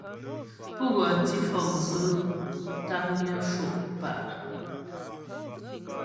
Pə́ gɔ tǐ fɔkdzʉ̌ taknyə sho' pǎ'.